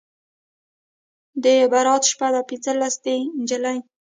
د براته شپه ده پنځلسی دی نجلۍ